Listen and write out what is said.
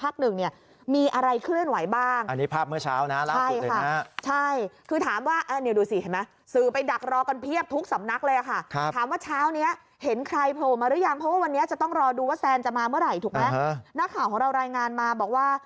มันมีอะไรเคลื่อนไหวบ้างนักข่าวไหนรายงานมาบอกว่า